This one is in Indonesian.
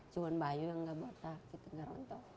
cuman bayu yang gak botak gitu gak rontok